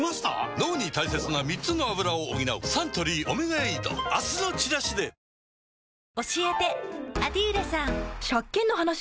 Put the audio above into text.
脳に大切な３つのアブラを補うサントリー「オメガエイド」明日のチラシでこんばんは。